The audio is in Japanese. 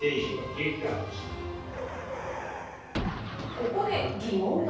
ここで疑問が。